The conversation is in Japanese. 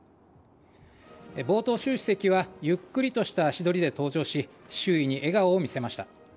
冒頭、習主席はゆっくりとした足取りで登場し周囲に笑顔を見せました。